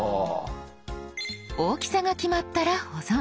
大きさが決まったら保存。